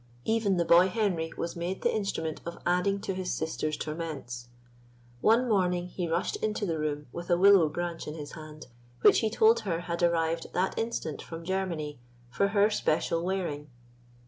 Even the boy Henry was made the instrument of adding to his sister's torments. One morning he rushed into the room with a willow branch in his hand, which he told her had arrived that instant from Germany for her special wearing.